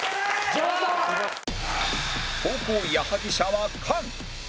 後攻矢作舎は菅